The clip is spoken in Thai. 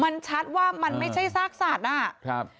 มันชัดว่ามันไม่ใช่ซากสัตว์